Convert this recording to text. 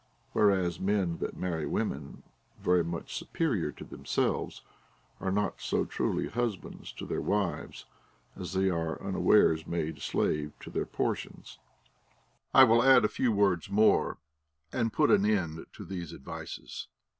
* Wiiereas men that marry women very much superior to themselves are not so truly husbands to their wives, as they are unawares made slaves to their por tions. I will add a few words more, and put an end to these advices.